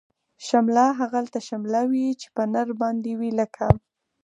شمله هغلته شمله وی، چه په نرباندی وی لکه